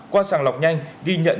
qua sàng lọc nhanh ghi nhận